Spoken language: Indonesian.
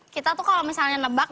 kita tuh kalau misalnya nebak